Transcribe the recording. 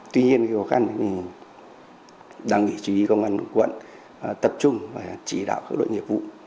tuy nhiên khó khăn thì đăng nghỉ chủ yếu công an quận tập trung và chỉ đạo các đội nhiệm vụ